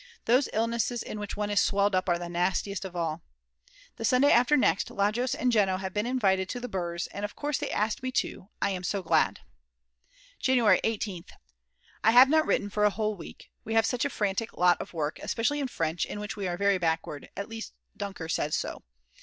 Those illnesses in which one is swelled up are the nastiest of all. The Sunday after next Lajos and Jeno have been invited to the Brs. and of course they asked me too, I am so glad. January 18th. I have not written for a whole week, we have such a frantic lot of work, especially in French in which we are very backward, at least Dunker says so!!